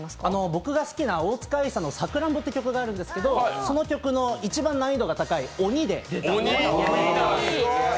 僕が大好きな大塚愛さんの「さくらんぼ」という曲があるんですがその曲の一番難易度が高い「おに」で。